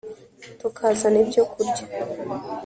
tukazana ibyo kurya,